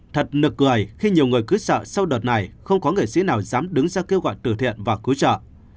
thật nực cười khi nhiều người cứ sợ sau đợt này không có nghệ sĩ nào dám đứng ra kêu gọi từ thiện và cứu trợ